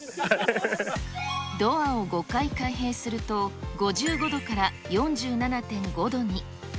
ドアを５回開閉すると、５５度から４７．５度に。